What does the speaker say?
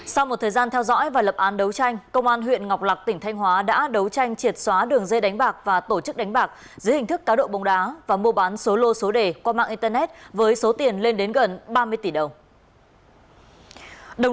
sau một thời gian theo dõi và lập án đấu tranh công an huyện ngọc lạc tỉnh thanh hóa đã đấu tranh triệt xóa đường dây đánh bạc và tổ chức đánh bạc dưới hình thức cá độ bóng đá và mua bán số lô số đề qua mạng internet với số tiền lên đến gần ba mươi tỷ đồng